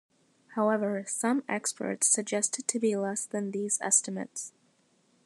However, some experts suggest it to be less than these estimates.